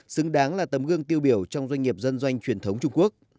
xứng đáng là tấm gương tiêu biểu trong doanh nghiệp dân doanh truyền thống trung quốc